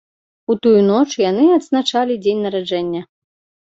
У тую ноч яны адзначалі дзень нараджэння.